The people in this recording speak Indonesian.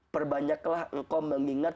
perbanyaklah engkau mengingat